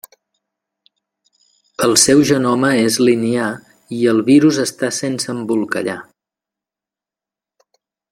El seu genoma és linear i el virus està sense embolcallar.